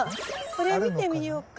これ見てみようか。